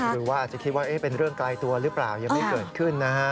หรือว่าอาจจะคิดว่าเป็นเรื่องไกลตัวหรือเปล่ายังไม่เกิดขึ้นนะฮะ